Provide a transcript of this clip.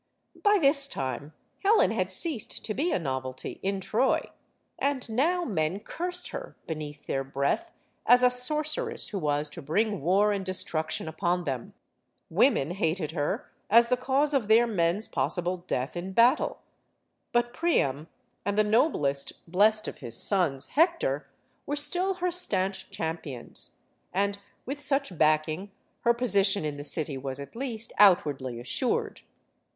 By this time, Helen had ceased to be a novelty in Troy. And now men cursed her, beneath their breath, as a sorceress who was to bring war and destruction upon them. Women hated her as the cause of their HELEN OF TROY 77 men's possible death in battle. But Priam, and the noblest blest of his sons Hector were still her stanch champions. And, with such backing, her position in the city was at least outwardly assured.